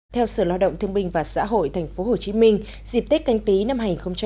theo sở lao động thương binh và xã hội tp hcm dịp tết canh tí năm hai nghìn hai mươi